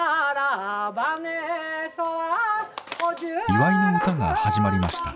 祝いの歌が始まりました。